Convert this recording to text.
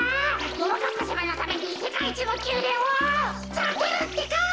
ももかっぱさまのためにせかいいちのきゅうでんをつくるってか！